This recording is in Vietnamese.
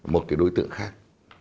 một cái đối tượng khác